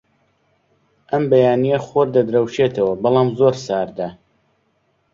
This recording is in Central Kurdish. ئەم بەیانییە خۆر دەدرەوشێتەوە، بەڵام زۆر ساردە.